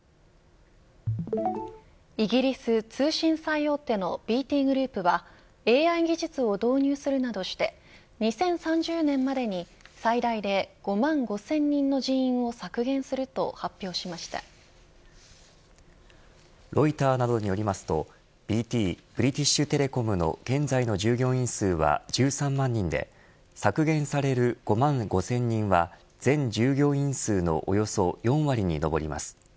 イギリス通信最大手のＢＴグループはＡＩ技術を導入するなどして２０３０年までに最大で５万５０００人の人員をロイターなどによりますとＢＴブリティッシュ・テレコムの現在の従業員数は１３万人で削減される５万５０００人は全従業員数のおよそ４割にのぼります。